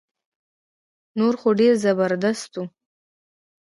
نور خو ډير زبردست وو